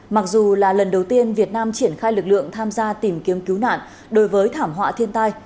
mặc dù là lần đầu tiên việt nam triển khai lực lượng tham gia tìm kiếm cứu nạn đối với thảm họa thiên tai